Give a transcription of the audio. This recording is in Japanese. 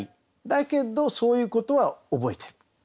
だけどそういうことは覚えてる。